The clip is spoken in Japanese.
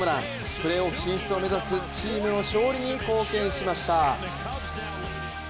プレーオフ進出を目指すチームの勝利に貢献しました。